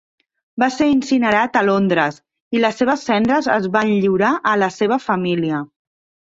Va ser incinerat a Londres i les seves cendres es van lliurar a la seva família.